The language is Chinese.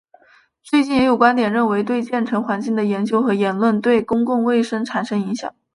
最近也有观点认为对建成环境的研究和言论对公共卫生产生影响。